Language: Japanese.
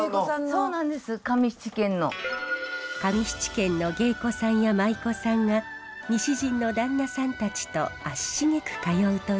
上七軒の芸妓さんや舞妓さんが西陣の旦那さんたちと足しげく通うといいます。